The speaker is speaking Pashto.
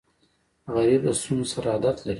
غریب د ستونزو سره عادت لري